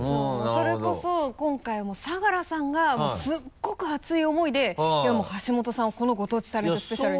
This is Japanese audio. それこそ今回はもう相樂さんがすごく熱い思いで「いやもう橋本さんをこのご当地タレントスペシャルに」